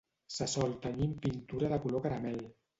Se sol tenyir amb pintura de color caramel.